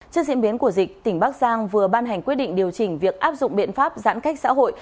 trước diễn biến của dịch tỉnh bắc giang vừa ban hành quyết định điều chỉnh việc áp dụng biện pháp giãn cách xã hội